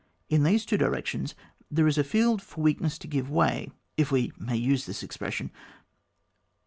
In these two directions there is a field for weakness to give way, if we may use this expression.